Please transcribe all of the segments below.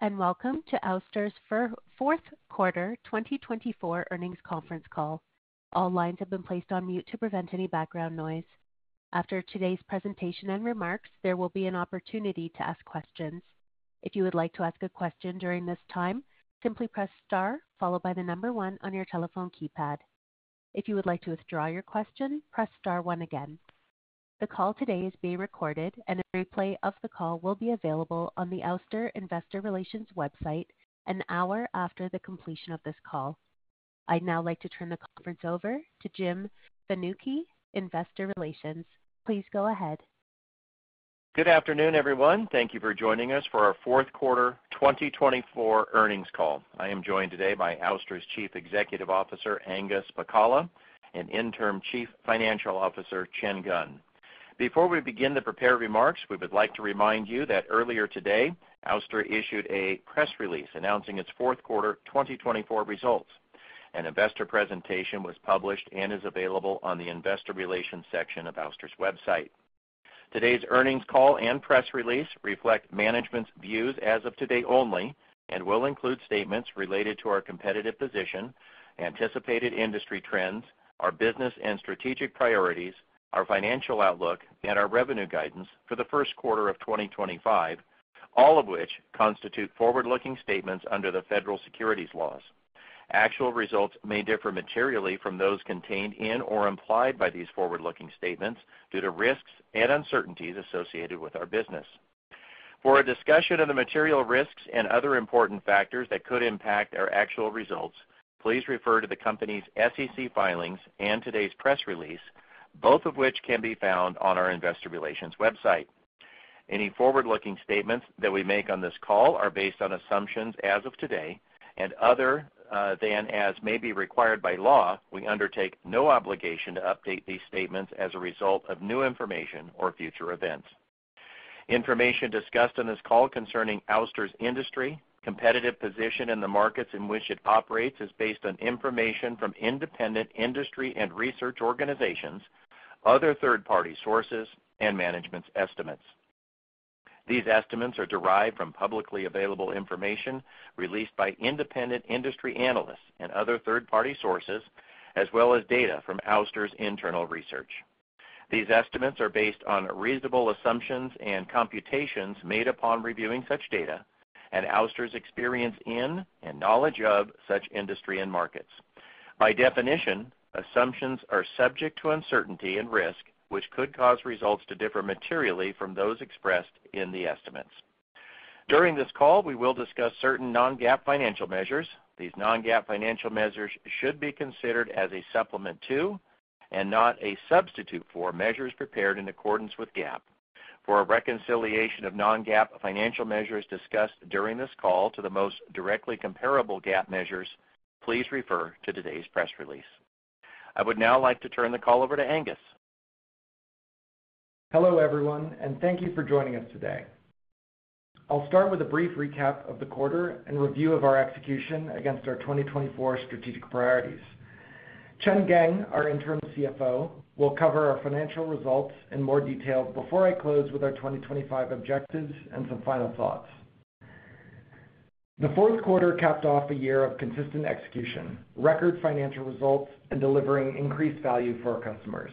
Welcome to Ouster's fourth quarter 2024 earnings conference call. All lines have been placed on mute to prevent any background noise. After today's presentation and remarks, there will be an opportunity to ask questions. If you would like to ask a question during this time, simply press star followed by the number one on your telephone keypad. If you would like to withdraw your question, press star one again. The call today is being recorded, and a replay of the call will be available on the Ouster Investor Relations website an hour after the completion of this call. I'd now like to turn the conference over to Jim Fanucchi, Investor Relations. Please go ahead. Good afternoon, everyone. Thank you for joining us for our fourth quarter 2024 earnings call. I am joined today by Ouster's Chief Executive Officer, Angus Pacala, and Interim Chief Financial Officer, Chen Geng. Before we begin to prepare remarks, we would like to remind you that earlier today, Ouster issued a press release announcing its fourth quarter 2024 results. An investor presentation was published and is available on the Investor Relations section of Ouster's website. Today's earnings call and press release reflect management's views as of today only and will include statements related to our competitive position, anticipated industry trends, our business and strategic priorities, our financial outlook, and our revenue guidance for the first quarter of 2025, all of which constitute forward-looking statements under the federal securities laws. Actual results may differ materially from those contained in or implied by these forward-looking statements due to risks and uncertainties associated with our business. For a discussion of the material risks and other important factors that could impact our actual results, please refer to the company's SEC filings and today's press release, both of which can be found on our Investor Relations website. Any forward-looking statements that we make on this call are based on assumptions as of today, and other than as may be required by law, we undertake no obligation to update these statements as a result of new information or future events. Information discussed on this call concerning Ouster's industry, competitive position in the markets in which it operates is based on information from independent industry and research organizations, other third-party sources, and management's estimates. These estimates are derived from publicly available information released by independent industry analysts and other third-party sources, as well as data from Ouster's internal research. These estimates are based on reasonable assumptions and computations made upon reviewing such data and Ouster's experience in and knowledge of such industry and markets. By definition, assumptions are subject to uncertainty and risk, which could cause results to differ materially from those expressed in the estimates. During this call, we will discuss certain non-GAAP financial measures. These non-GAAP financial measures should be considered as a supplement to and not a substitute for measures prepared in accordance with GAAP. For a reconciliation of non-GAAP financial measures discussed during this call to the most directly comparable GAAP measures, please refer to today's press release. I would now like to turn the call over to Angus. Hello, everyone, and thank you for joining us today. I'll start with a brief recap of the quarter and review of our execution against our 2024 strategic priorities. Chen Geng, our Interim CFO, will cover our financial results in more detail before I close with our 2025 objectives and some final thoughts. The fourth quarter capped off a year of consistent execution, record financial results, and delivering increased value for our customers.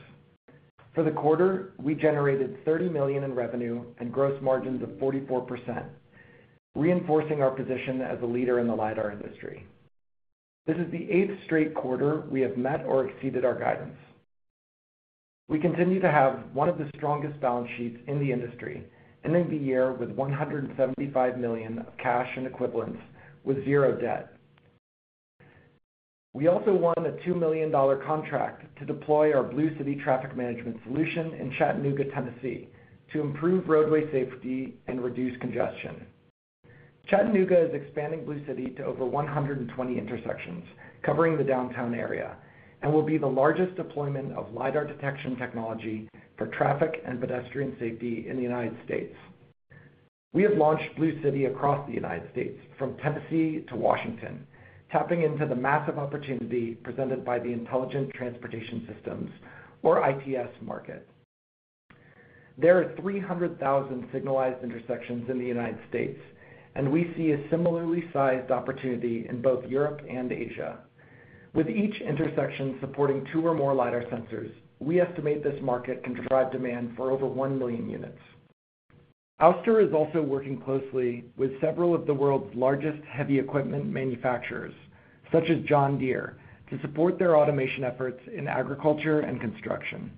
For the quarter, we generated $30 million in revenue and gross margins of 44%, reinforcing our position as a leader in the LiDAR industry. This is the eighth straight quarter we have met or exceeded our guidance. We continue to have one of the strongest balance sheets in the industry, ending the year with $175 million of cash and equivalents with zero debt. We also won a $2 million contract to deploy our BlueCity traffic management solution in Chattanooga, Tennessee, to improve roadway safety and reduce congestion. Chattanooga is expanding BlueCity to over 120 intersections covering the downtown area and will be the largest deployment of LiDAR detection technology for traffic and pedestrian safety in the United States. We have launched BlueCity across the United States from Tennessee to Washington, tapping into the massive opportunity presented by the Intelligent Transportation Systems, or ITS, market. There are 300,000 signalized intersections in the United States, and we see a similarly sized opportunity in both Europe and Asia. With each intersection supporting two or more LiDAR sensors, we estimate this market can drive demand for over 1 million units. Ouster is also working closely with several of the world's largest heavy equipment manufacturers, such as John Deere, to support their automation efforts in agriculture and construction.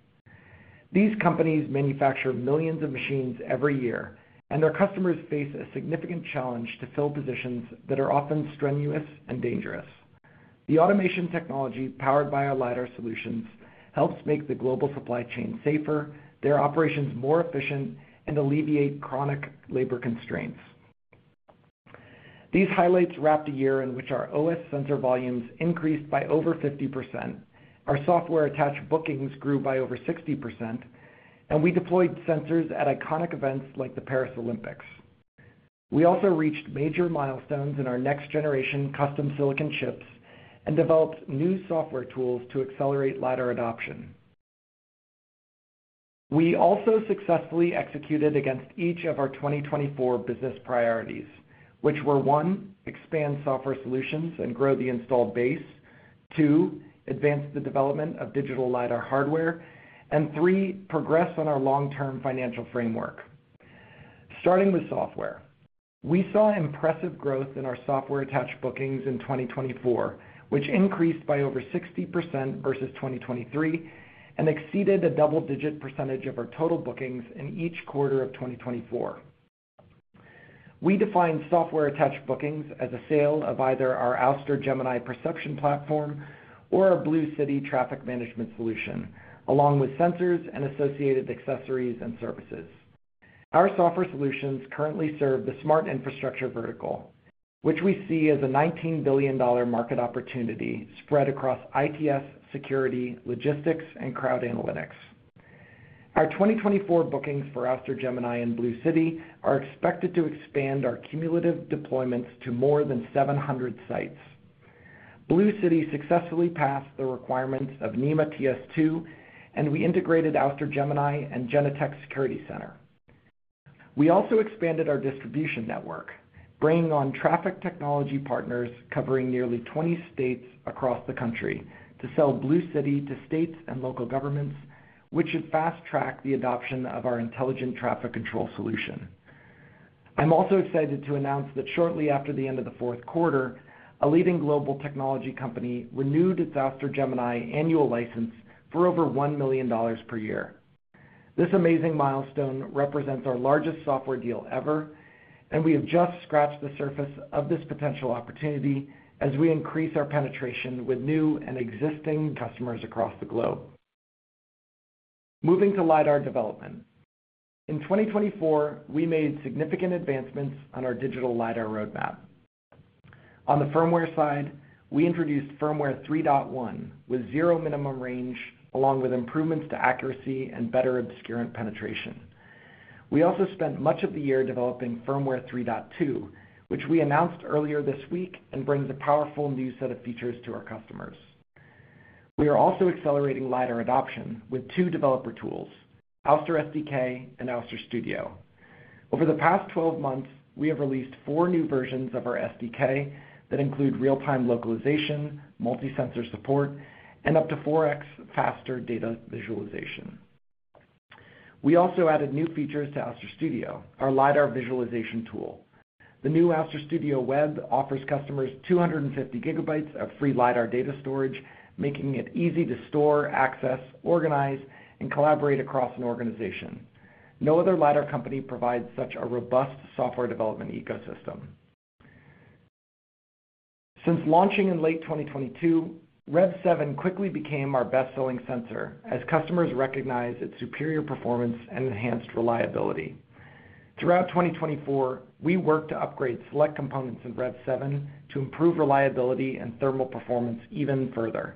These companies manufacture millions of machines every year, and their customers face a significant challenge to fill positions that are often strenuous and dangerous. The automation technology powered by our LiDAR solutions helps make the global supply chain safer, their operations more efficient, and alleviate chronic labor constraints. These highlights wrapped a year in which our OS sensor volumes increased by over 50%, our software-attached bookings grew by over 60%, and we deployed sensors at iconic events like the Paris Olympics. We also reached major milestones in our next-generation custom silicon chips and developed new software tools to accelerate LiDAR adoption. We also successfully executed against each of our 2024 business priorities, which were: one, expand software solutions and grow the installed base; two, advance the development of digital LiDAR hardware; and three, progress on our long-term financial framework. Starting with software, we saw impressive growth in our software-attached bookings in 2024, which increased by over 60% versus 2023 and exceeded a double-digit percentage of our total bookings in each quarter of 2024. We defined software-attached bookings as a sale of either our Ouster Gemini perception platform or our BlueCity traffic management solution, along with sensors and associated accessories and services. Our software solutions currently serve the smart infrastructure vertical, which we see as a $19 billion market opportunity spread across ITS, security, logistics, and crowd analytics. Our 2024 bookings for Ouster Gemini and BlueCity are expected to expand our cumulative deployments to more than 700 sites. BlueCity successfully passed the requirements of NEMA TS2, and we integrated Ouster Gemini and Genetec Security Center. We also expanded our distribution network, bringing on traffic technology partners covering nearly 20 states across the country to sell BlueCity to states and local governments, which should fast-track the adoption of our intelligent traffic control solution. I'm also excited to announce that shortly after the end of the fourth quarter, a leading global technology company renewed its Ouster Gemini annual license for over $1 million per year. This amazing milestone represents our largest software deal ever, and we have just scratched the surface of this potential opportunity as we increase our penetration with new and existing customers across the globe. Moving to LiDAR development, in 2024, we made significant advancements on our digital LiDAR roadmap. On the firmware side, we introduced Firmware 3.1 with zero minimum range, along with improvements to accuracy and better obscurant penetration. We also spent much of the year developing Firmware 3.2, which we announced earlier this week and brings a powerful new set of features to our customers. We are also accelerating LiDAR adoption with two developer tools, Ouster SDK and Ouster Studio. Over the past 12 months, we have released four new versions of our SDK that include real-time localization, multi-sensor support, and up to 4x faster data visualization. We also added new features to Ouster Studio, our LiDAR visualization tool. The new Ouster Studio Web offers customers 250 GB of free LiDAR data storage, making it easy to store, access, organize, and collaborate across an organization. No other LiDAR company provides such a robust software development ecosystem. Since launching in late 2022, Rev 7 quickly became our best-selling sensor as customers recognized its superior performance and enhanced reliability. Throughout 2024, we worked to upgrade select components in Rev 7 to improve reliability and thermal performance even further.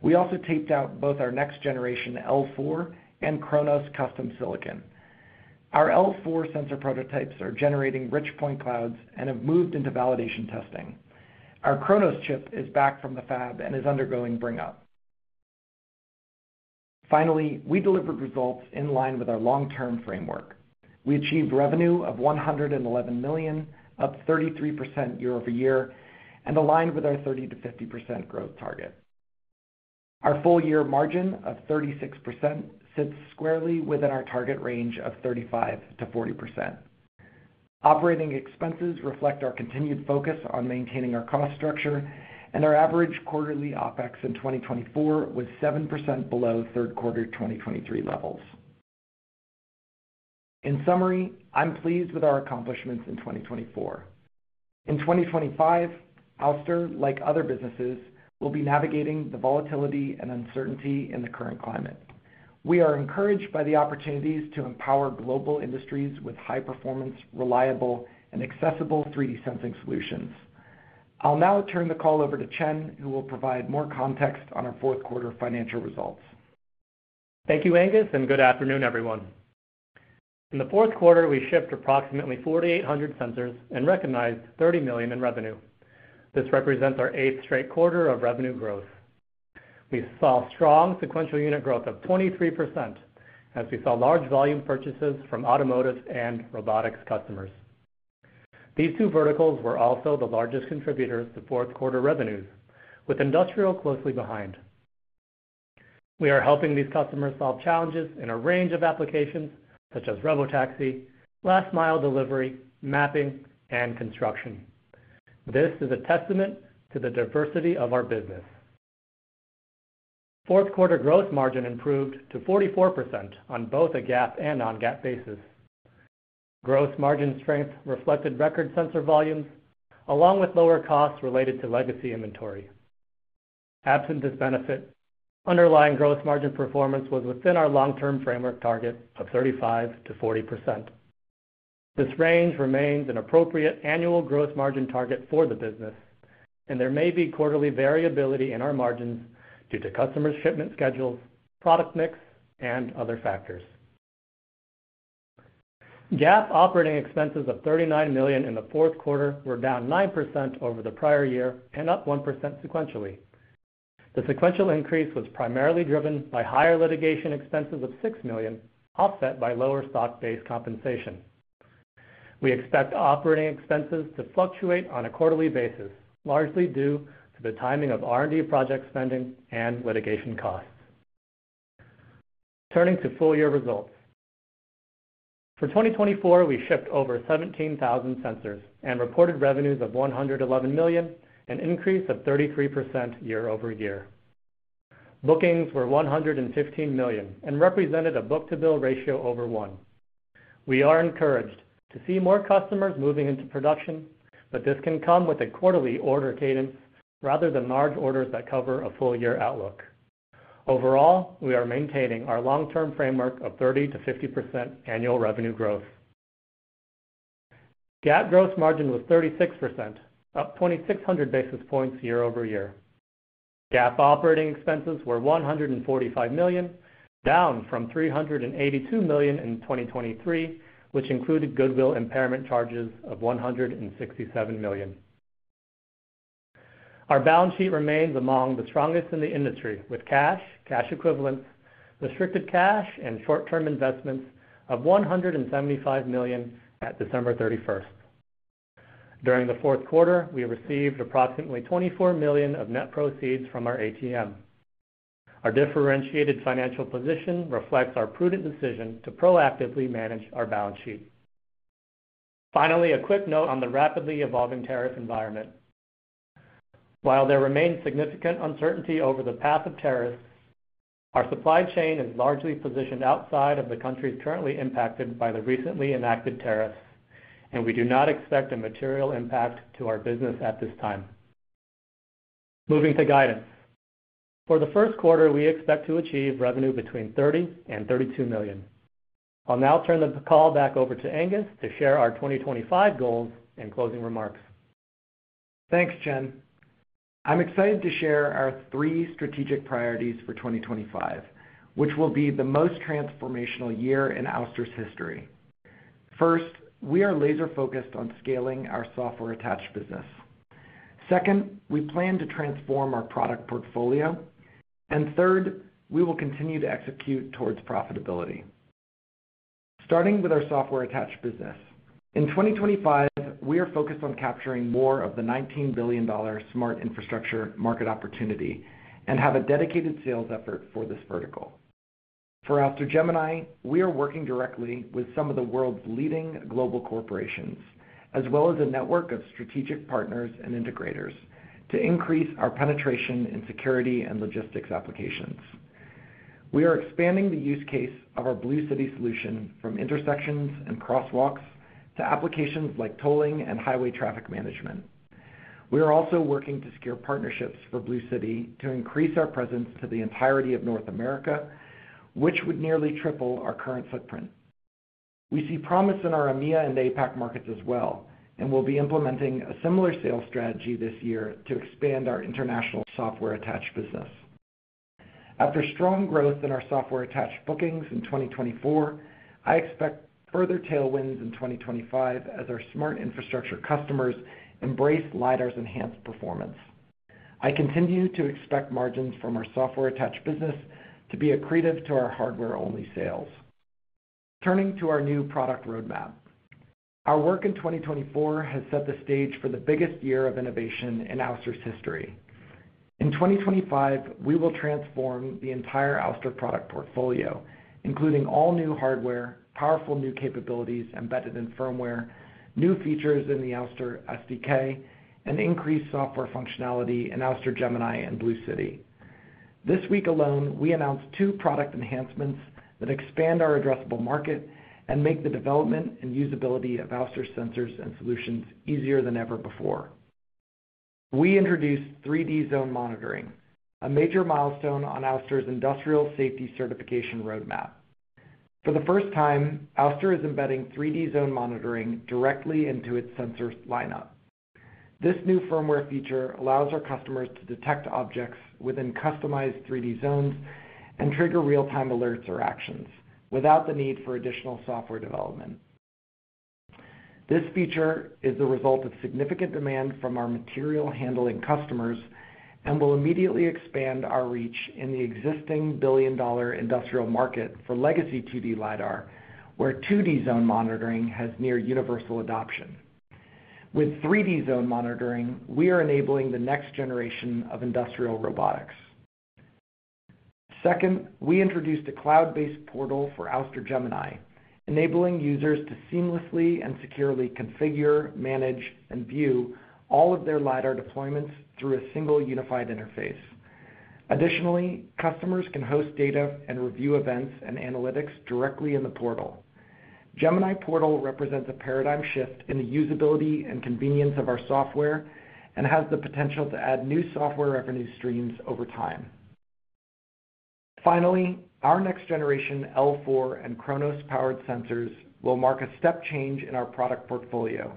We also taped out both our next-generation L4 and Chronos custom silicon. Our L4 sensor prototypes are generating rich point clouds and have moved into validation testing. Our Chronos chip is back from the fab and is undergoing bring-up. Finally, we delivered results in line with our long-term framework. We achieved revenue of $111 million, up 33% year over year, and aligned with our 30%-50% growth target. Our full-year margin of 36% sits squarely within our target range of 35%-40%. Operating expenses reflect our continued focus on maintaining our cost structure, and our average quarterly OpEx in 2024 was 7% below third quarter 2023 levels. In summary, I'm pleased with our accomplishments in 2024. In 2025, Ouster, like other businesses, will be navigating the volatility and uncertainty in the current climate. We are encouraged by the opportunities to empower global industries with high-performance, reliable, and accessible 3D sensing solutions. I'll now turn the call over to Chen, who will provide more context on our fourth quarter financial results. Thank you, Angus, and good afternoon, everyone. In the fourth quarter, we shipped approximately 4,800 sensors and recognized $30 million in revenue. This represents our eighth straight quarter of revenue growth. We saw strong sequential unit growth of 23% as we saw large volume purchases from automotive and robotics customers. These two verticals were also the largest contributors to fourth quarter revenues, with industrial closely behind. We are helping these customers solve challenges in a range of applications such as robotaxi, last-mile delivery, mapping, and construction. This is a testament to the diversity of our business. Fourth quarter gross margin improved to 44% on both a GAAP and non-GAAP basis. Gross margin strength reflected record sensor volumes, along with lower costs related to legacy inventory. Absent this benefit, underlying gross margin performance was within our long-term framework target of 35%-40%. This range remains an appropriate annual gross margin target for the business, and there may be quarterly variability in our margins due to customers' shipment schedules, product mix, and other factors. GAAP operating expenses of $39 million in the fourth quarter were down 9% over the prior year and up 1% sequentially. The sequential increase was primarily driven by higher litigation expenses of $6 million, offset by lower stock-based compensation. We expect operating expenses to fluctuate on a quarterly basis, largely due to the timing of R&D project spending and litigation costs. Turning to full-year results, for 2024, we shipped over 17,000 sensors and reported revenues of $111 million, an increase of 33% year over year. Bookings were $115 million and represented a book-to-bill ratio over one. We are encouraged to see more customers moving into production, but this can come with a quarterly order cadence rather than large orders that cover a full-year outlook. Overall, we are maintaining our long-term framework of 30%-50% annual revenue growth. GAAP gross margin was 36%, up 2,600 basis points year over year. GAAP operating expenses were $145 million, down from $382 million in 2023, which included goodwill impairment charges of $167 million. Our balance sheet remains among the strongest in the industry, with cash, cash equivalents, restricted cash, and short-term investments of $175 million at December 31st. During the fourth quarter, we received approximately $24 million of net proceeds from our ATM. Our differentiated financial position reflects our prudent decision to proactively manage our balance sheet. Finally, a quick note on the rapidly evolving tariff environment. While there remains significant uncertainty over the path of tariffs, our supply chain is largely positioned outside of the countries currently impacted by the recently enacted tariffs, and we do not expect a material impact to our business at this time. Moving to guidance, for the first quarter, we expect to achieve revenue between $30 million and $32 million. I'll now turn the call back over to Angus to share our 2025 goals and closing remarks. Thanks, Chen. I'm excited to share our three strategic priorities for 2025, which will be the most transformational year in Ouster's history. First, we are laser-focused on scaling our software-attached business. Second, we plan to transform our product portfolio. Third, we will continue to execute towards profitability. Starting with our software-attached business, in 2025, we are focused on capturing more of the $19 billion smart infrastructure market opportunity and have a dedicated sales effort for this vertical. For Ouster Gemini, we are working directly with some of the world's leading global corporations, as well as a network of strategic partners and integrators, to increase our penetration in security and logistics applications. We are expanding the use case of our BlueCity solution from intersections and crosswalks to applications like tolling and highway traffic management. We are also working to secure partnerships for BlueCity to increase our presence to the entirety of North America, which would nearly triple our current footprint. We see promise in our EMEA and APAC markets as well, and we'll be implementing a similar sales strategy this year to expand our international software-attached business. After strong growth in our software-attached bookings in 2024, I expect further tailwinds in 2025 as our smart infrastructure customers embrace LiDAR's enhanced performance. I continue to expect margins from our software-attached business to be accretive to our hardware-only sales. Turning to our new product roadmap, our work in 2024 has set the stage for the biggest year of innovation in Ouster's history. In 2025, we will transform the entire Ouster product portfolio, including all new hardware, powerful new capabilities embedded in firmware, new features in the Ouster SDK, and increased software functionality in Ouster Gemini and BlueCity. This week alone, we announced two product enhancements that expand our addressable market and make the development and usability of Ouster sensors and solutions easier than ever before. We introduced 3D Zone Monitoring, a major milestone on Ouster's industrial safety certification roadmap. For the first time, Ouster is embedding 3D Zone Monitoring directly into its sensor lineup. This new firmware feature allows our customers to detect objects within customized 3D zones and trigger real-time alerts or actions without the need for additional software development. This feature is the result of significant demand from our material handling customers and will immediately expand our reach in the existing billion-dollar industrial market for legacy 2D LiDAR, where 2D zone monitoring has near universal adoption. With 3D Zone Monitoring, we are enabling the next generation of industrial robotics. Second, we introduced a cloud-based portal for Ouster Gemini, enabling users to seamlessly and securely configure, manage, and view all of their LiDAR deployments through a single unified interface. Additionally, customers can host data and review events and analytics directly in the portal. Gemini Portal represents a paradigm shift in the usability and convenience of our software and has the potential to add new software revenue streams over time. Finally, our next generation L4 and Chronos-powered sensors will mark a step change in our product portfolio,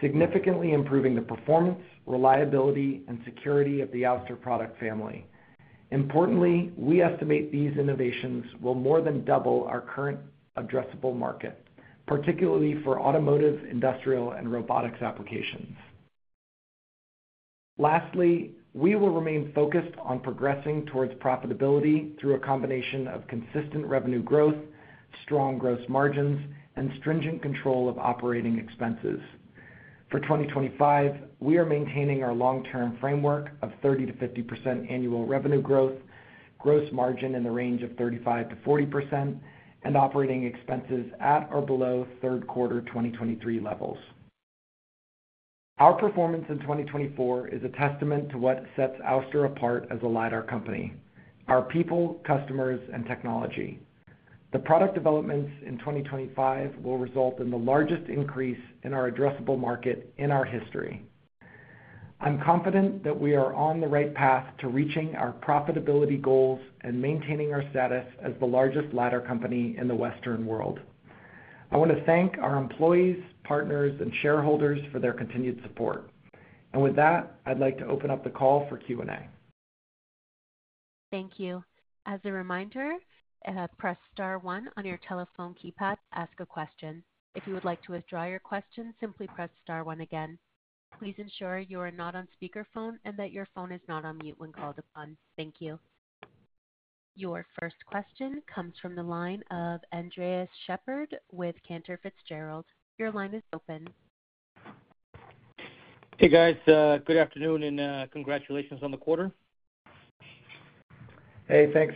significantly improving the performance, reliability, and security of the Ouster product family. Importantly, we estimate these innovations will more than double our current addressable market, particularly for automotive, industrial, and robotics applications. Lastly, we will remain focused on progressing towards profitability through a combination of consistent revenue growth, strong gross margins, and stringent control of operating expenses. For 2025, we are maintaining our long-term framework of 30%-50% annual revenue growth, gross margin in the range of 35%-40%, and operating expenses at or below third quarter 2023 levels. Our performance in 2024 is a testament to what sets Ouster apart as a LiDAR company: our people, customers, and technology. The product developments in 2025 will result in the largest increase in our addressable market in our history. I'm confident that we are on the right path to reaching our profitability goals and maintaining our status as the largest LiDAR company in the Western world. I want to thank our employees, partners, and shareholders for their continued support. I would like to open up the call for Q&A. Thank you. As a reminder, press star one on your telephone keypad to ask a question. If you would like to withdraw your question, simply press star one again. Please ensure you are not on speakerphone and that your phone is not on mute when called upon. Thank you. Your first question comes from the line of Andres Sheppard with Cantor Fitzgerald. Your line is open. Hey, guys. Good afternoon and congratulations on the quarter. Hey, thanks.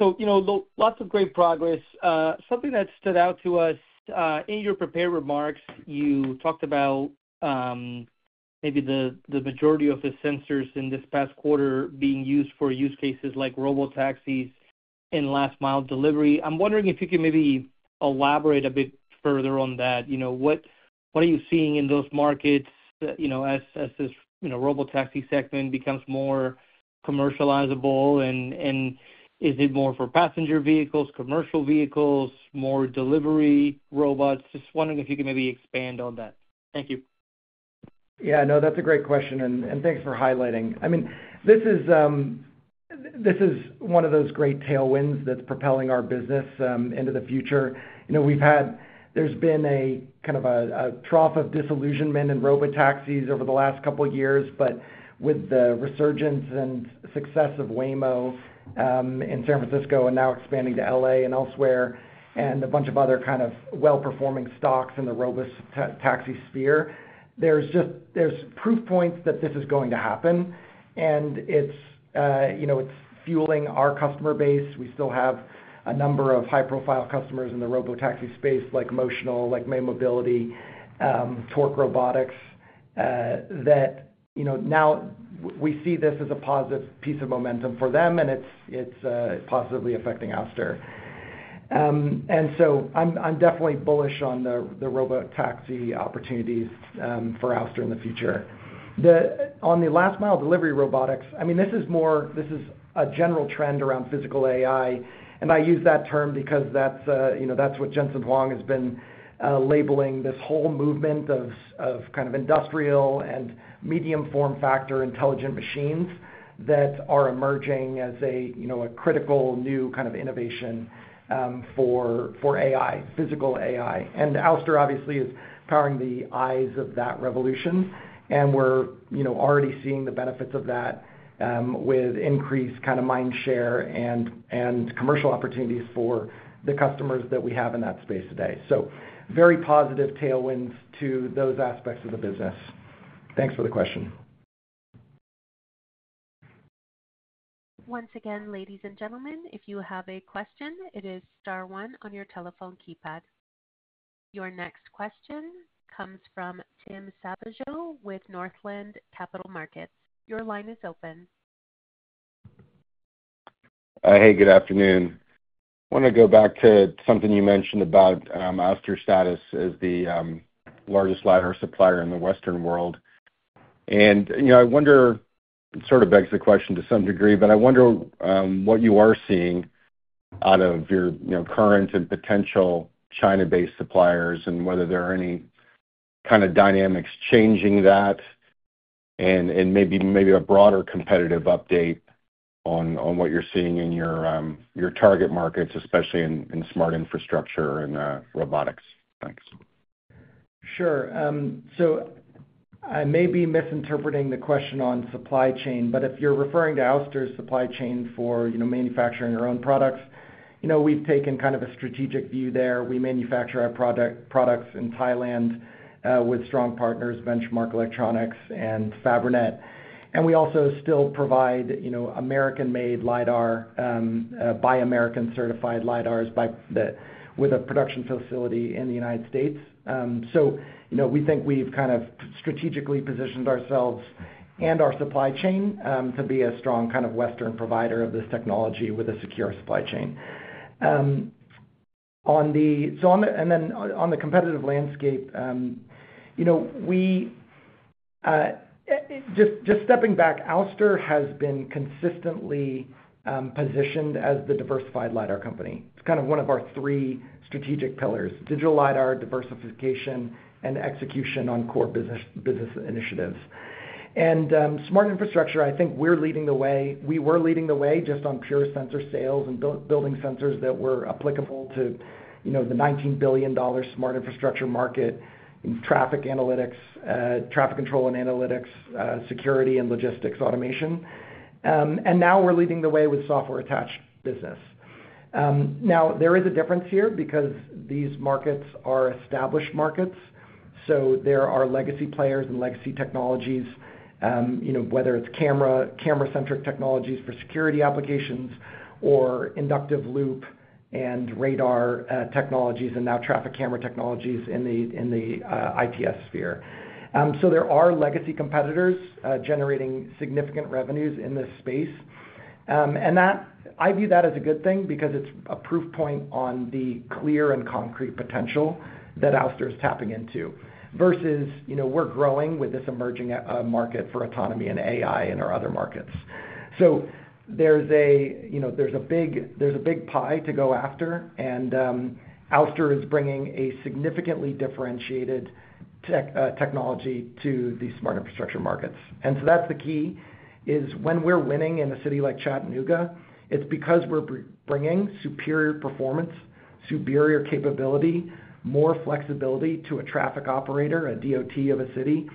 You know, lots of great progress. Something that stood out to us in your prepared remarks, you talked about maybe the majority of the sensors in this past quarter being used for use cases like robotaxis and last-mile delivery. I'm wondering if you can maybe elaborate a bit further on that. You know, what are you seeing in those markets as this robotaxi segment becomes more commercializable? Is it more for passenger vehicles, commercial vehicles, more delivery robots? Just wondering if you can maybe expand on that. Thank you. Yeah, no, that's a great question. Thanks for highlighting. I mean, this is one of those great tailwinds that's propelling our business into the future. You know, we've had, there's been a kind of a trough of disillusionment in robotaxis over the last couple of years, but with the resurgence and success of Waymo in San Francisco and now expanding to L.A. and elsewhere, and a bunch of other kind of well-performing stocks in the robotaxi sphere, there's just, there's proof points that this is going to happen. It's, you know, it's fueling our customer base. We still have a number of high-profile customers in the robotaxi space, like Motional, like May Mobility, Torc Robotics, that, you know, now we see this as a positive piece of momentum for them, and it's positively affecting Ouster. I'm definitely bullish on the robotaxi opportunities for Ouster in the future. On the last-mile delivery robotics, I mean, this is more, this is a general trend around physical AI. I use that term because that's, you know, that's what Jensen Huang has been labeling this whole movement of kind of industrial and medium-form factor intelligent machines that are emerging as a, you know, a critical new kind of innovation for AI, physical AI. Ouster obviously is powering the eyes of that revolution. We're, you know, already seeing the benefits of that with increased kind of mind share and commercial opportunities for the customers that we have in that space today. Very positive tailwinds to those aspects of the business. Thanks for the question. Once again, ladies and gentlemen, if you have a question, it is star one on your telephone keypad. Your next question comes from Tim Savageaux with Northland Capital Markets. Your line is open. Hey, good afternoon. I want to go back to something you mentioned about Ouster status as the largest LiDAR supplier in the Western world. You know, I wonder, it sort of begs the question to some degree, but I wonder what you are seeing out of your current and potential China-based suppliers and whether there are any kind of dynamics changing that and maybe a broader competitive update on what you're seeing in your target markets, especially in smart infrastructure and robotics. Thanks. Sure. So I may be misinterpreting the question on supply chain, but if you're referring to Ouster's supply chain for manufacturing your own products, you know, we've taken kind of a strategic view there. We manufacture our products in Thailand with strong partners, Benchmark Electronics and Fabrinet. And we also still provide American-made LiDAR by American-certified LiDARs with a production facility in the United States. So, you know, we think we've kind of strategically positioned ourselves and our supply chain to be a strong kind of Western provider of this technology with a secure supply chain. On the competitive landscape, you know, just stepping back, Ouster has been consistently positioned as the diversified LiDAR company. It's kind of one of our three strategic pillars: digital LiDAR, diversification, and execution on core business initiatives. In smart infrastructure, I think we're leading the way. We were leading the way just on pure sensor sales and building sensors that were applicable to the $19 billion smart infrastructure market in traffic analytics, traffic control and analytics, security and logistics automation. Now we're leading the way with software-attached business. There is a difference here because these markets are established markets. There are legacy players and legacy technologies, you know, whether it's camera-centric technologies for security applications or inductive loop and radar technologies and now traffic camera technologies in the ITS sphere. There are legacy competitors generating significant revenues in this space. I view that as a good thing because it's a proof point on the clear and concrete potential that Ouster is tapping into versus, you know, we're growing with this emerging market for autonomy and AI in our other markets. There is a big pie to go after, and Ouster is bringing a significantly differentiated technology to the smart infrastructure markets. That is the key. When we are winning in a city like Chattanooga, it is because we are bringing superior performance, superior capability, more flexibility to a traffic operator, a DOT of a city,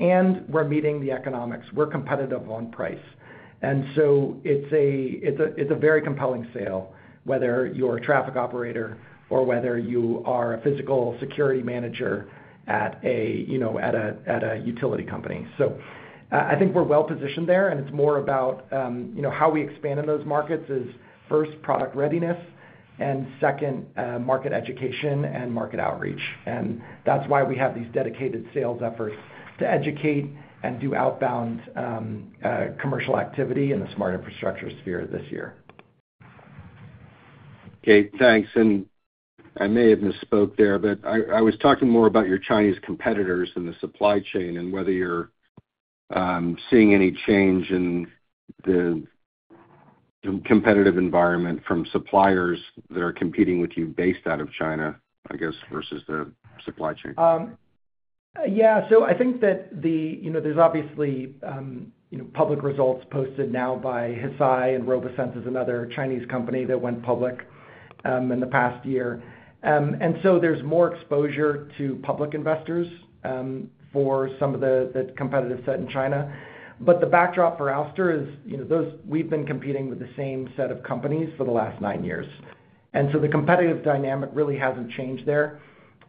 and we are meeting the economics. We are competitive on price. It is a very compelling sale, whether you are a traffic operator or whether you are a physical security manager at a utility company. I think we are well positioned there, and it is more about how we expand in those markets. First, product readiness and second, market education and market outreach. That is why we have these dedicated sales efforts to educate and do outbound commercial activity in the smart infrastructure sphere this year. Okay, thanks. I may have misspoke there, but I was talking more about your Chinese competitors in the supply chain and whether you're seeing any change in the competitive environment from suppliers that are competing with you based out of China, I guess, versus the supply chain. Yeah, so I think that the, you know, there's obviously public results posted now by Hesai and RoboSense is another Chinese company that went public in the past year. And so there's more exposure to public investors for some of the competitive set in China. But the backdrop for Ouster is, you know, we've been competing with the same set of companies for the last nine years. And so the competitive dynamic really hasn't changed there.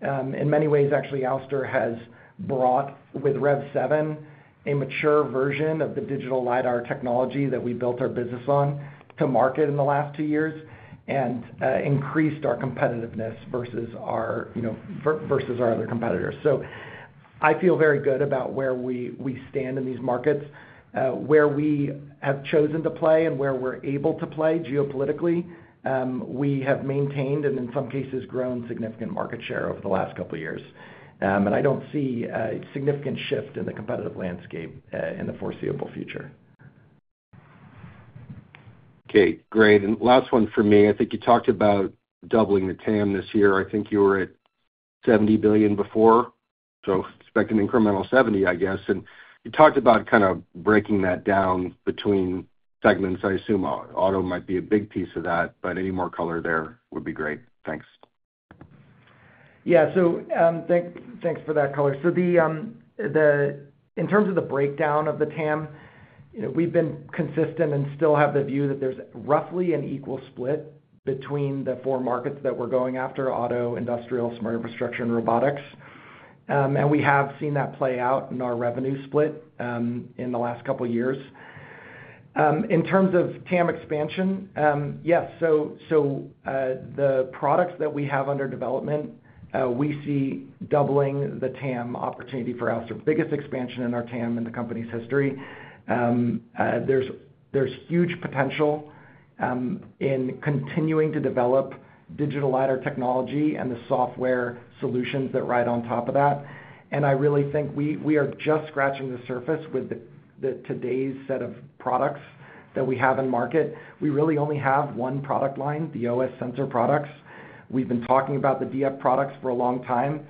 In many ways, actually, Ouster has brought with Rev 7 a mature version of the digital LiDAR technology that we built our business on to market in the last two years and increased our competitiveness versus our other competitors. So I feel very good about where we stand in these markets, where we have chosen to play and where we're able to play geopolitically. We have maintained and in some cases grown significant market share over the last couple of years. I don't see a significant shift in the competitive landscape in the foreseeable future. Okay, great. Last one for me, I think you talked about doubling the TAM this year. I think you were at $70 billion before, so expect an incremental $70 billion, I guess. You talked about kind of breaking that down between segments. I assume auto might be a big piece of that, but any more color there would be great. Thanks. Yeah, thanks for that color. In terms of the breakdown of the TAM, we've been consistent and still have the view that there's roughly an equal split between the four markets that we're going after: auto, industrial, smart infrastructure, and robotics. We have seen that play out in our revenue split in the last couple of years. In terms of TAM expansion, yes. The products that we have under development, we see doubling the TAM opportunity for Ouster. Biggest expansion in our TAM in the company's history. There's huge potential in continuing to develop digital LiDAR technology and the software solutions that ride on top of that. I really think we are just scratching the surface with today's set of products that we have in market. We really only have one product line, the OS sensor products. We've been talking about the DF products for a long time.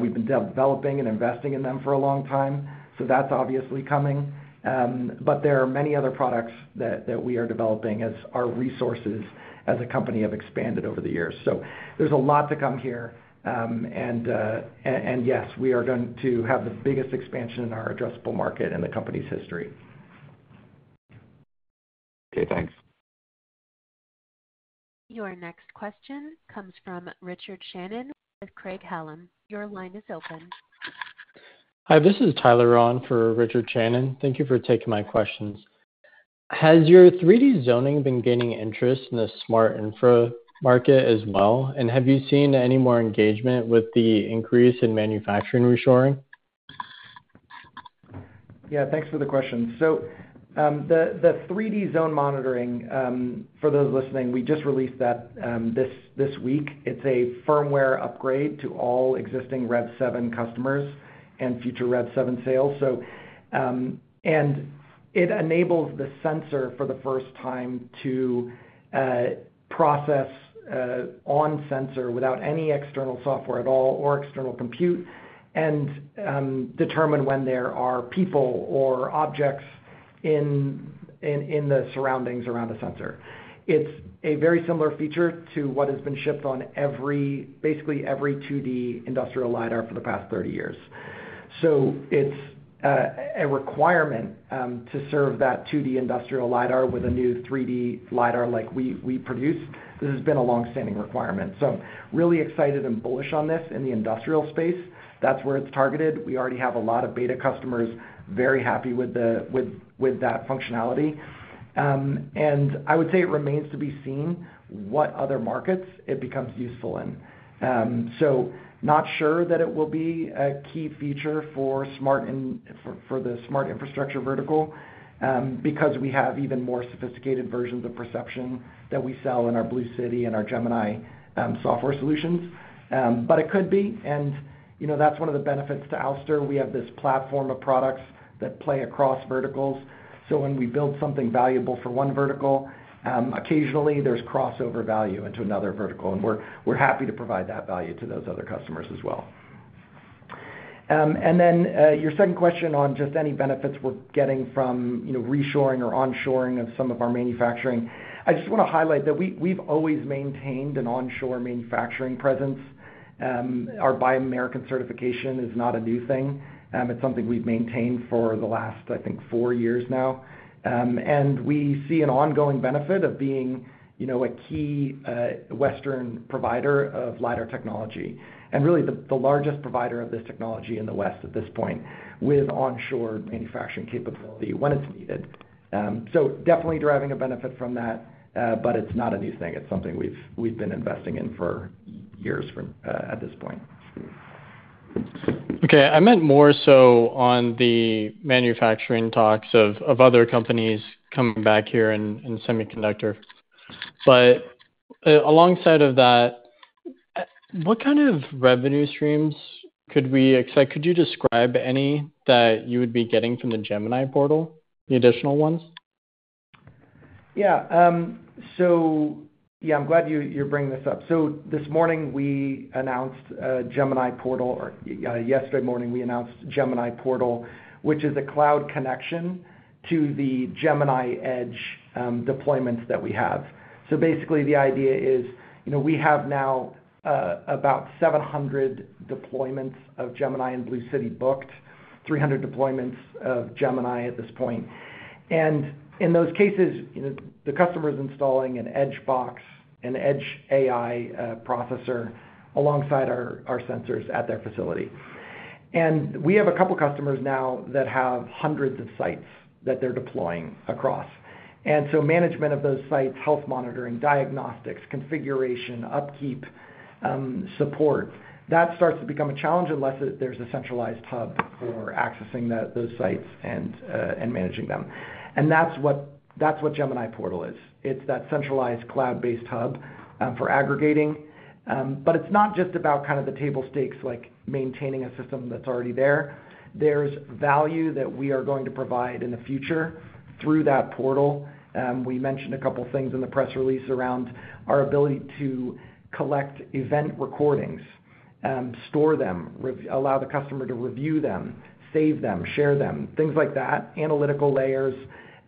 We've been developing and investing in them for a long time. That is obviously coming. There are many other products that we are developing as our resources as a company have expanded over the years. There is a lot to come here. Yes, we are going to have the biggest expansion in our addressable market in the company's history. Okay, thanks. Your next question comes from Richard Shannon with Craig-Hallum. Your line is open. Hi, this is Tyler Rohn for Richard Shannon. Thank you for taking my questions. Has your 3D zoning been gaining interest in the smart infra market as well? Have you seen any more engagement with the increase in manufacturing reshoring? Yeah, thanks for the question. The 3D Zone Monitoring, for those listening, we just released that this week. It's a firmware upgrade to all existing Rev 7 customers and future Rev 7 sales. It enables the sensor for the first time to process on sensor without any external software at all or external compute and determine when there are people or objects in the surroundings around a sensor. It's a very similar feature to what has been shipped on basically every 2D industrial LiDAR for the past 30 years. It's a requirement to serve that 2D industrial LiDAR with a new 3D LiDAR like we produce. This has been a long-standing requirement. Really excited and bullish on this in the industrial space. That's where it's targeted. We already have a lot of beta customers very happy with that functionality. I would say it remains to be seen what other markets it becomes useful in. Not sure that it will be a key feature for the smart infrastructure vertical because we have even more sophisticated versions of perception that we sell in our BlueCity and our Gemini software solutions. It could be. You know, that's one of the benefits to Ouster. We have this platform of products that play across verticals. When we build something valuable for one vertical, occasionally there's crossover value into another vertical. We're happy to provide that value to those other customers as well. Your second question on just any benefits we're getting from reshoring or onshoring of some of our manufacturing. I just want to highlight that we've always maintained an onshore manufacturing presence. Our Buy American certification is not a new thing. It's something we've maintained for the last, I think, four years now. We see an ongoing benefit of being a key Western provider of LiDAR technology and really the largest provider of this technology in the West at this point with onshore manufacturing capability when it's needed. Definitely driving a benefit from that, but it's not a new thing. It's something we've been investing in for years at this point. Okay, I meant more so on the manufacturing talks of other companies coming back here in semiconductor. Alongside of that, what kind of revenue streams could we expect? Could you describe any that you would be getting from the Gemini Portal, the additional ones? Yeah. Yeah, I'm glad you're bringing this up. This morning we announced Gemini Portal, or yesterday morning we announced Gemini Portal, which is a cloud connection to the Gemini Edge deployments that we have. Basically, the idea is we have now about 700 deployments of Gemini and BlueCity booked, 300 deployments of Gemini at this point. In those cases, the customer is installing an EdgeBox, an Edge AI processor alongside our sensors at their facility. We have a couple of customers now that have hundreds of sites that they're deploying across. Management of those sites, health monitoring, diagnostics, configuration, upkeep, support, that starts to become a challenge unless there's a centralized hub for accessing those sites and managing them. That is what Gemini Portal is. It is that centralized cloud-based hub for aggregating. It is not just about kind of the table stakes like maintaining a system that is already there. There is value that we are going to provide in the future through that portal. We mentioned a couple of things in the press release around our ability to collect event recordings, store them, allow the customer to review them, save them, share them, things like that, analytical layers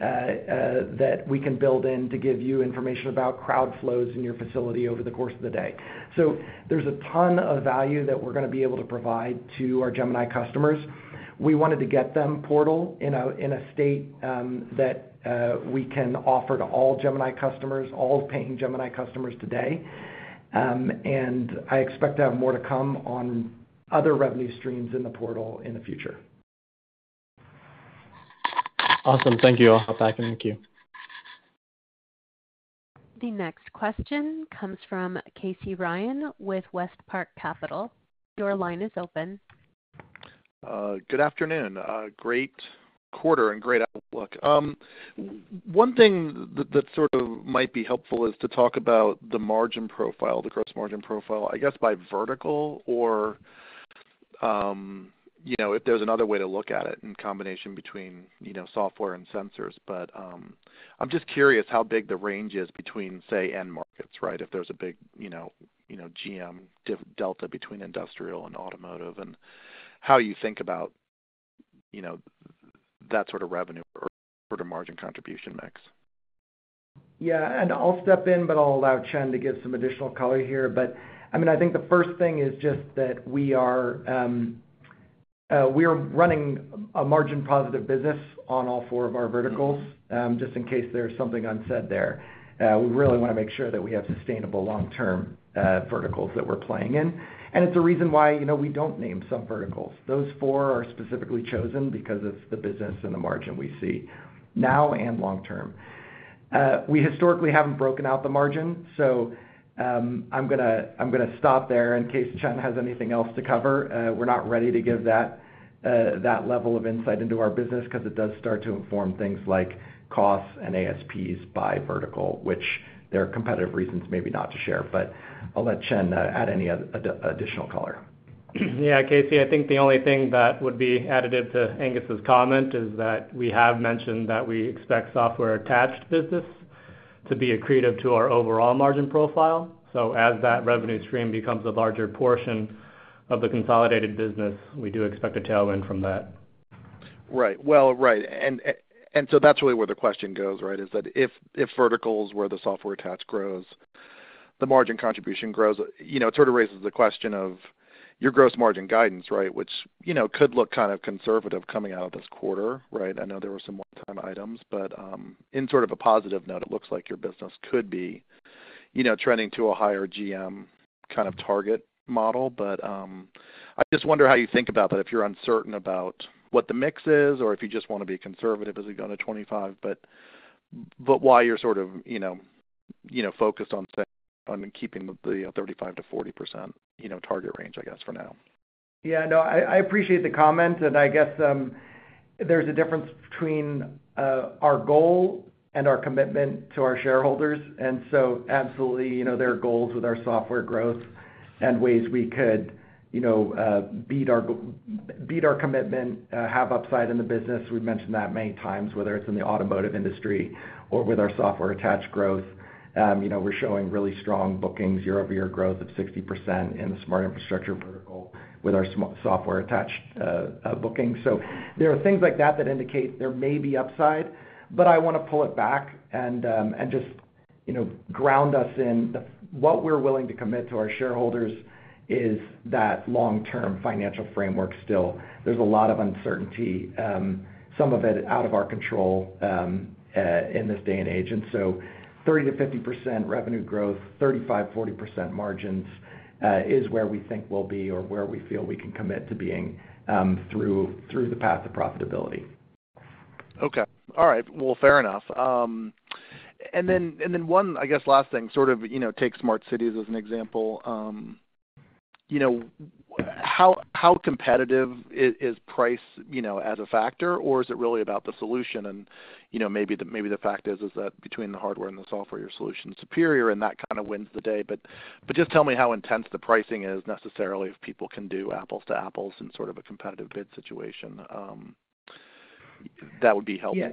that we can build in to give you information about crowd flows in your facility over the course of the day. There is a ton of value that we are going to be able to provide to our Gemini customers. We wanted to get the portal in a state that we can offer to all Gemini customers, all paying Gemini customers today. I expect to have more to come on other revenue streams in the portal in the future. Awesome. Thank you. I'll hop back in with you. The next question comes from Casey Ryan with WestPark Capital. Your line is open. Good afternoon. Great quarter and great outlook. One thing that sort of might be helpful is to talk about the margin profile, the gross margin profile, I guess by vertical or if there is another way to look at it in combination between software and sensors. I am just curious how big the range is between, say, end markets, right? If there is a big GM delta between industrial and automotive and how you think about that sort of revenue or sort of margin contribution mix. Yeah, I'll step in, but I'll allow Chen to give some additional color here. I think the first thing is just that we are running a margin-positive business on all four of our verticals just in case there's something unsaid there. We really want to make sure that we have sustainable long-term verticals that we're playing in. It's a reason why we don't name some verticals. Those four are specifically chosen because of the business and the margin we see now and long-term. We historically haven't broken out the margin. I'm going to stop there in case Chen has anything else to cover. We're not ready to give that level of insight into our business because it does start to inform things like costs and ASPs by vertical, which there are competitive reasons maybe not to share. I'll let Chen add any additional color. Yeah, Casey, I think the only thing that would be additive to Angus's comment is that we have mentioned that we expect software-attached business to be accretive to our overall margin profile. As that revenue stream becomes a larger portion of the consolidated business, we do expect a tailwind from that. Right. Right. That is really where the question goes, right, is that if verticals where the software-attached grows, the margin contribution grows, it sort of raises the question of your gross margin guidance, right, which could look kind of conservative coming out of this quarter, right? I know there were some one-time items, but in sort of a positive note, it looks like your business could be trending to a higher GM kind of target model. I just wonder how you think about that if you are uncertain about what the mix is or if you just want to be conservative as we go to 2025, but why you are sort of focused on keeping the 35-40% target range, I guess, for now. Yeah, no, I appreciate the comment. I guess there's a difference between our goal and our commitment to our shareholders. Absolutely, there are goals with our software growth and ways we could beat our commitment, have upside in the business. We've mentioned that many times, whether it's in the automotive industry or with our software-attached growth. We're showing really strong bookings, year-over-year growth of 60% in the smart infrastructure vertical with our software-attached booking. There are things like that that indicate there may be upside, but I want to pull it back and just ground us in what we're willing to commit to our shareholders is that long-term financial framework still. There's a lot of uncertainty, some of it out of our control in this day and age. Thirty to 50% revenue growth, 35%-40% margins is where we think we'll be or where we feel we can commit to being through the path of profitability. Okay. All right. Fair enough. One, I guess, last thing, sort of take smart cities as an example. How competitive is price as a factor, or is it really about the solution? Maybe the fact is that between the hardware and the software, your solution is superior, and that kind of wins the day. Just tell me how intense the pricing is necessarily if people can do apples to apples in sort of a competitive bid situation. That would be helpful.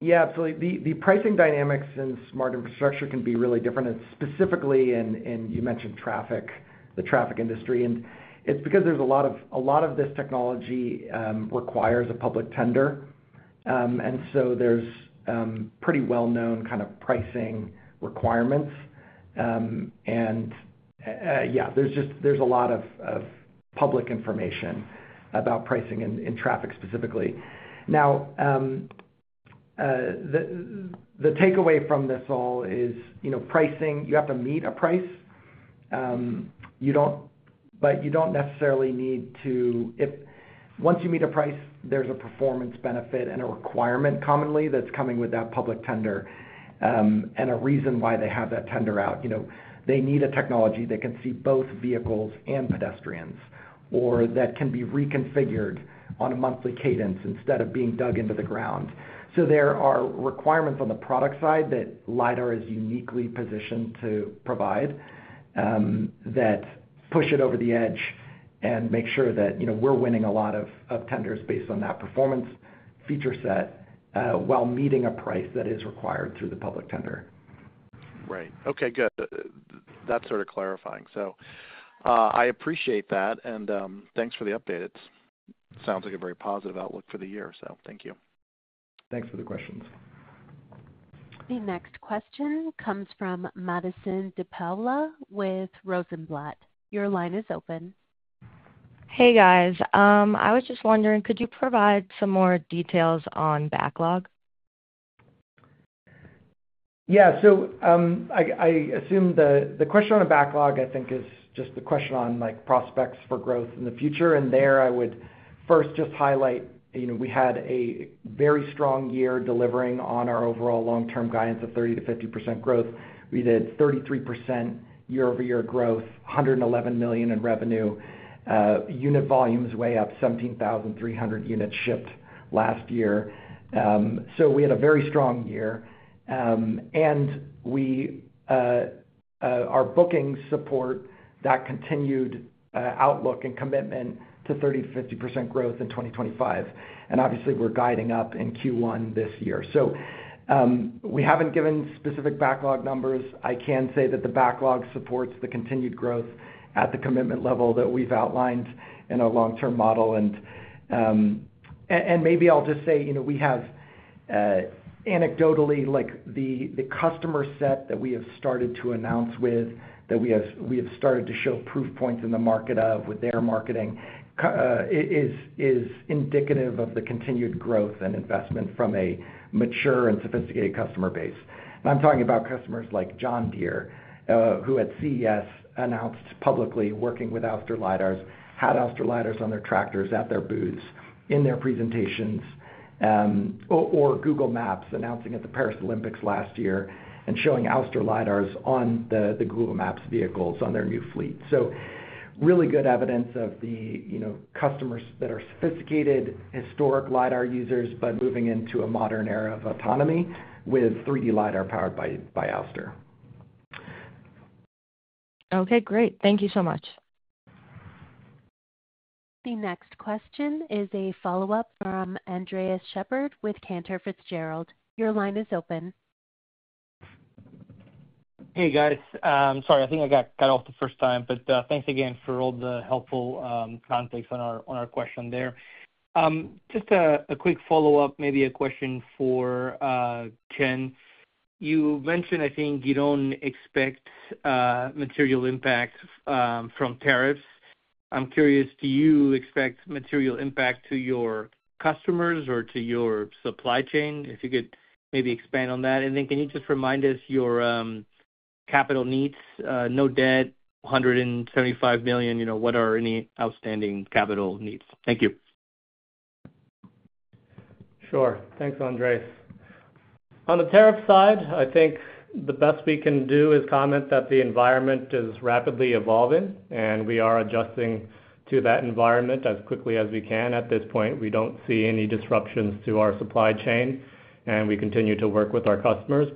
Yeah, absolutely. The pricing dynamics in smart infrastructure can be really different. Specifically in, you mentioned, traffic, the traffic industry. It's because a lot of this technology requires a public tender. There are pretty well-known kind of pricing requirements. Yeah, there's a lot of public information about pricing in traffic specifically. The takeaway from this all is pricing, you have to meet a price, but you do not necessarily need to. Once you meet a price, there's a performance benefit and a requirement commonly that's coming with that public tender and a reason why they have that tender out. They need a technology that can see both vehicles and pedestrians or that can be reconfigured on a monthly cadence instead of being dug into the ground. There are requirements on the product side that LiDAR is uniquely positioned to provide that push it over the edge and make sure that we're winning a lot of tenders based on that performance feature set while meeting a price that is required through the public tender. Right. Okay, good. That is sort of clarifying. I appreciate that. Thanks for the update. It sounds like a very positive outlook for the year. Thank you. Thanks for the questions. The next question comes from Madison DePaola with Rosenblatt. Your line is open. Hey, guys. I was just wondering, could you provide some more details on backlog? Yeah. I assume the question on backlog, I think, is just the question on prospects for growth in the future. There I would first just highlight we had a very strong year delivering on our overall long-term guidance of 30%-50% growth. We did 33% year-over-year growth, $111 million in revenue. Unit volumes way up, 17,300 units shipped last year. We had a very strong year. Our booking support, that continued outlook and commitment to 30%-50% growth in 2025. Obviously, we're guiding up in Q1 this year. We haven't given specific backlog numbers. I can say that the backlog supports the continued growth at the commitment level that we've outlined in our long-term model. Maybe I'll just say we have, anecdotally, the customer set that we have started to announce with, that we have started to show proof points in the market of with their marketing, is indicative of the continued growth and investment from a mature and sophisticated customer base. I'm talking about customers like John Deere, who at CES announced publicly working with Ouster LiDARs, had Ouster LiDARs on their tractors at their booths, in their presentations, or Google Maps announcing at the Paris Olympics last year and showing Ouster LiDARs on the Google Maps vehicles on their new fleet. Really good evidence of the customers that are sophisticated, historic LiDAR users, but moving into a modern era of autonomy with 3D LiDAR powered by Ouster. Okay, great. Thank you so much. The next question is a follow-up from Andres Sheppard with Cantor Fitzgerald. Your line is open. Hey, guys. Sorry, I think I got off the first time, but thanks again for all the helpful context on our question there. Just a quick follow-up, maybe a question for Chen. You mentioned, I think you don't expect material impact from tariffs. I'm curious, do you expect material impact to your customers or to your supply chain? If you could maybe expand on that. Can you just remind us your capital needs? No debt, $175 million. What are any outstanding capital needs? Thank you. Sure. Thanks, Andres. On the tariff side, I think the best we can do is comment that the environment is rapidly evolving, and we are adjusting to that environment as quickly as we can. At this point, we do not see any disruptions to our supply chain, and we continue to work with our customers.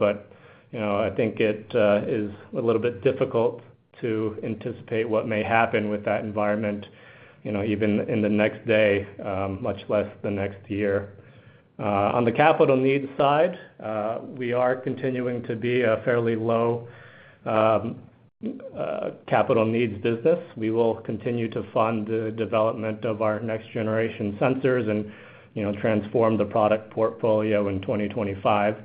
I think it is a little bit difficult to anticipate what may happen with that environment even in the next day, much less the next year. On the capital needs side, we are continuing to be a fairly low capital needs business. We will continue to fund the development of our next-generation sensors and transform the product portfolio in 2025.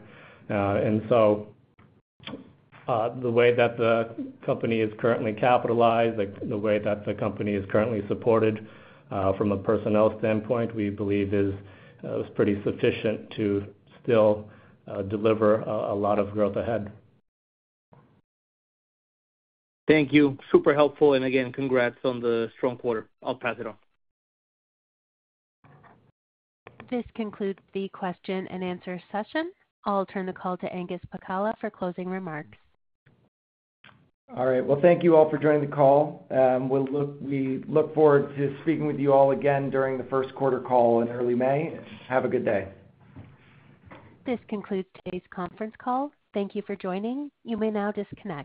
The way that the company is currently capitalized, the way that the company is currently supported from a personnel standpoint, we believe is pretty sufficient to still deliver a lot of growth ahead. Thank you. Super helpful. Again, congrats on the strong quarter. I'll pass it on. This concludes the question-and-answer session. I'll turn the call to Angus Pacala for closing remarks. All right. Thank you all for joining the call. We look forward to speaking with you all again during the first quarter call in early May. Have a good day. This concludes today's conference call. Thank you for joining. You may now disconnect.